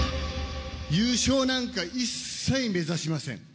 優勝なんか一切目指しません。